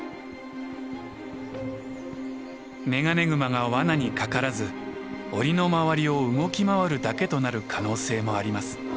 メガネグマが罠にかからず檻の周りを動き回るだけとなる可能性もあります。